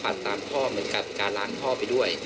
ตามพ่อเหมือนกับการล้างพ่อไปด้วย